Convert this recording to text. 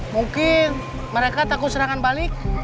mungkin mereka takut serangan balik